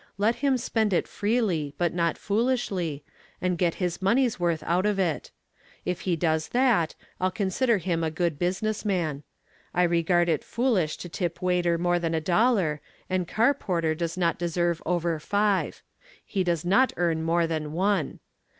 Let him spend it freely, but not foolishly, and get his money's worth out of it. If he does that I'll consider him a good business man. I regard it foolish to tip waiter more than a dollar and car porter does not deserve over five. He does not earn more than one.